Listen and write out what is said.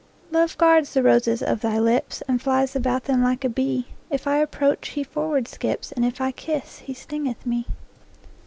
Love guards the roses of thy lips, And flies about them like a bee: If I approach, he forward skips, And if I kiss, he stingeth me.